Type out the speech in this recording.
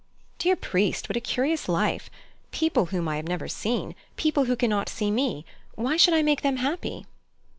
"Dear priest, what a curious life! People whom I have never seen people who cannot see me why should I make them happy?"